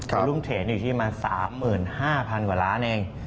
วอลลุ่มเทรนด์อยู่ที่มา๓๕๐๐๐กว่าล้านเอง